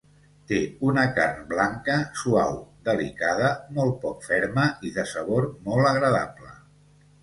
Té una carn blanca, suau, delicada, molt poc ferma i de sabor molt agradable.